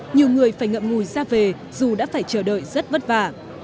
nhiều người phải ngậm ngùi ra về dù đã phải chờ đợi rất vất vả